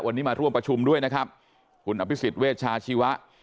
วันนี้มาร่วมประชุมด้วยนะครับคุณอภิษฎเวชาชีวะ